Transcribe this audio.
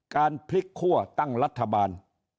การพลิกคั่วตั้งรัฐบาล